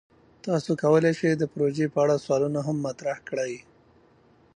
تاسو کولی شئ د پروژې په اړه سوالونه هم مطرح کړئ.